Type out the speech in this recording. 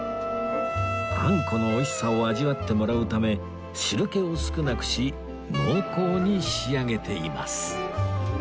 あんこの美味しさを味わってもらうため汁気を少なくし濃厚に仕上げています